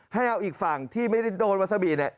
ให้เอาอีกฝั่งที่ไม่ได้โดนวาซาบิเนี่ย